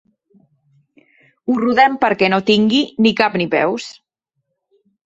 Ho rodem perquè no tingui ni cap ni peus.